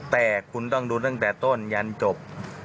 แต่คุณต้องดูตั้งแต่ต้นยันจบ